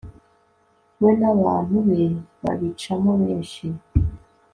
we n'abantu be, babicamo benshi